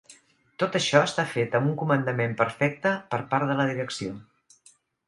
Tot això està fet amb un comandament perfecte per part de la direcció.